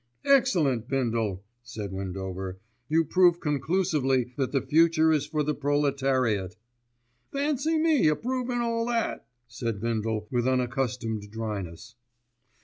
"Excellent! Bindle," said Windover, "you prove conclusively that the future is for the proletariat." "Fancy me a provin' all that," said Bindle with unaccustomed dryness.